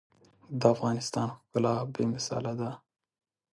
د افغانستان ښکلا بې مثاله ده.